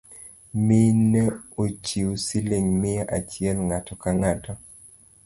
Mine ochiu siling’ mia achiel ng’ato kang’ato